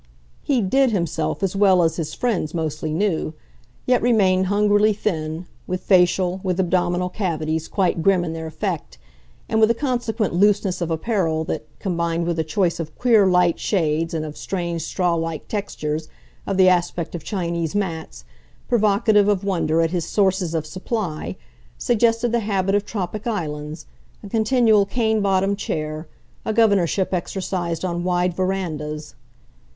He "did" himself as well as his friends mostly knew, yet remained hungrily thin, with facial, with abdominal cavities quite grim in their effect, and with a consequent looseness of apparel that, combined with a choice of queer light shades and of strange straw like textures, of the aspect of Chinese mats, provocative of wonder at his sources of supply, suggested the habit of tropic islands, a continual cane bottomed chair, a governorship exercised on wide verandahs.